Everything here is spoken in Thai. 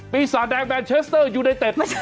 ศาจแดงแนนเชสเตอร์ยูไนเต็ด